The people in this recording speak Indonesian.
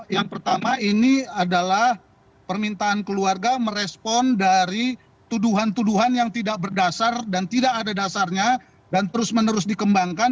yang pertama ini adalah permintaan keluarga merespon dari tuduhan tuduhan yang tidak berdasar dan tidak ada dasarnya dan terus menerus dikembangkan